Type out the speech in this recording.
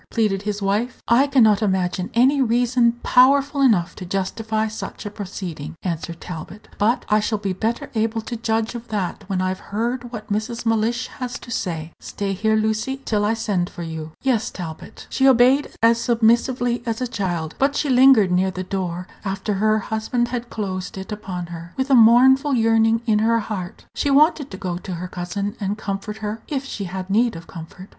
pleaded his wife. "I can not imagine any reason powerful enough to justify such a proceeding," answered Talbot; "but I shall be better able to judge of that when I've heard what Mrs. Mellish has to say. Stay here, Lucy, till I send for you." "Yes, Talbot." She obeyed as submissively as a child; but she lingered near the door, after her husband had closed it upon her, with a mournful yearning in her heart. She wanted to go to her cousin, and comfort her, if she had need of comfort.